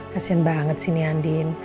kasian banget sih nya andin